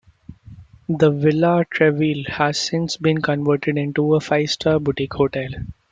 The Villa Treville has since been converted into a five-star boutique hotel.